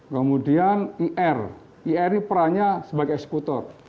kemudian ir ir ini perannya sebagai eksekutor